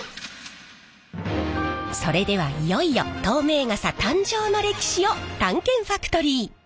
それではいよいよ透明傘誕生の歴史を探検ファクトリー！